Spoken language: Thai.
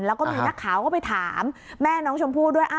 แล้วก็มีนักข่าวก็ไปถามแม่น้องชมพู่ด้วย